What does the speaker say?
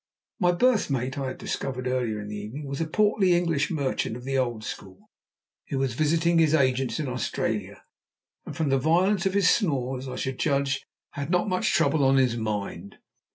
My berth mate I had discovered earlier in the evening was a portly English merchant of the old school, who was visiting his agents in Australia; and, from the violence of his snores, I should judge had not much trouble on his mind.